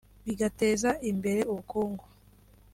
bigateza imbere ubukungu